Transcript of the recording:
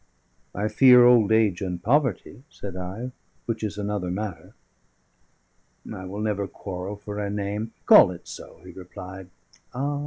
"I fear old age and poverty," said I, "which is another matter." "I will never quarrel for a name. Call it so," he replied. "Ah!